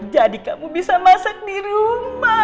jadi kamu bisa masak di rumah